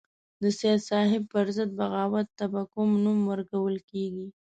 د سید صاحب پر ضد بغاوت ته به کوم نوم ورکول کېږي.